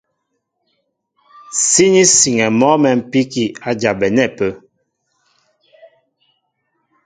Síní siŋɛ mɔ́ mɛ̌mpíki a jabɛnɛ́ ápə́.